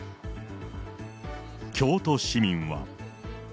京都市民は。